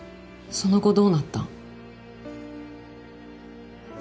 その後どうなった？